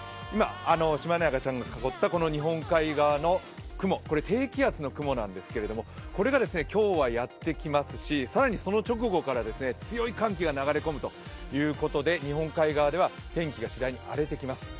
シマエナガちゃんが囲ったこの日本海側の雲、これは低気圧の雲なんですけれども、これが今日はやってきますし、更にその直後から強い寒気が流れ込むということで、日本海側では天気がしだいに荒れてきます。